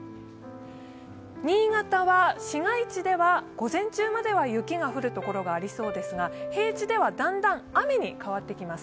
新潟は市街地では午前中まで雪が降るところがありますが、平地ではだんだん雨に変わってきます。